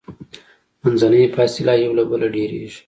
منځنۍ فاصله یې یو له بله ډیریږي.